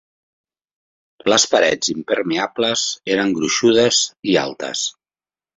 Les parets impermeables eren gruixudes i altes.